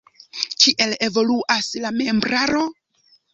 Kiel evoluas la membraro?